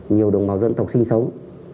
nhiều đồng bào dân tộc sinh sinh